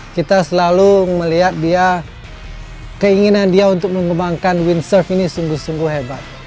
kita selalu melihat dia keinginan dia untuk mengembangkan windsurve ini sungguh sungguh hebat